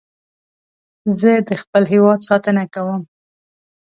زه د خپل هېواد ساتنه کوم